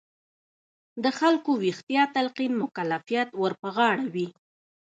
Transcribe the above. د خلکو ویښتیا تلقین مکلفیت ور په غاړه وي.